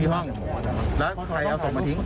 ที่ห้องแล้วใครเอาส่งมาทิ้ง